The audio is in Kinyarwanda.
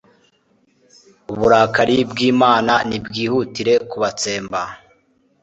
Uburakari bw’Imana nibwihutire kubatsemba